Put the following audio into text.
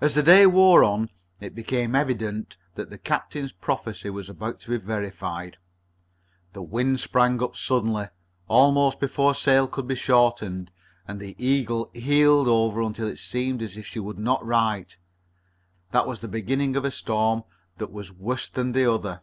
As the day wore on it became evident that the captain's prophecy was about to be verified. The wind sprang up suddenly, almost before sail could be shortened, and the Eagle heeled over until if seemed as if she would not right. That was the beginning of a storm that was worse than the other.